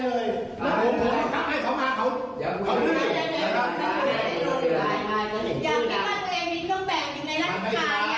ถ้าจะทำอยู่ในรถแฟนเขาก็ทำได้